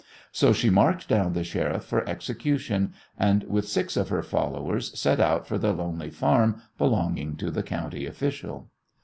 So she marked down the Sheriff for execution, and with six of her followers set out for the lonely farm belonging to the county official.